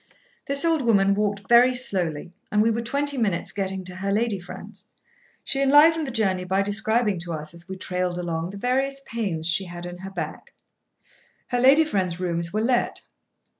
This old woman walked very slowly, and we were twenty minutes getting to her lady friend's. She enlivened the journey by describing to us, as we trailed along, the various pains she had in her back. Her lady friend's rooms were let.